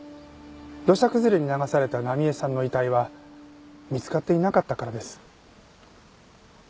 土砂崩れに流された奈美絵さんの遺体は見つかっていなかったからです。